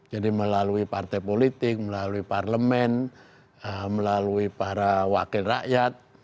jadi melalui partai politik melalui parlemen melalui para wakil rakyat